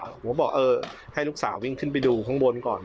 ผมก็บอกเออให้ลูกสาววิ่งขึ้นไปดูข้างบนก่อน